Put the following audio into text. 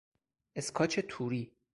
اسکاچ توری